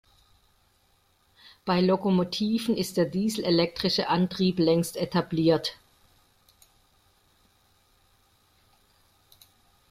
Bei Lokomotiven ist der dieselelektrische Antrieb längst etabliert.